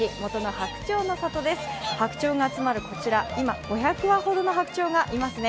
白鳥が集まるこちら、今、５００羽ほどの白鳥がいますね。